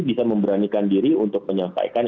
bisa memberanikan diri untuk menyampaikan